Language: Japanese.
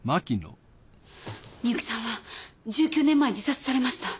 深雪さんは１９年前自殺されました。